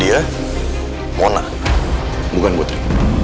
dia mona bukan putri